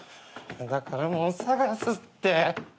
だからもう捜すって。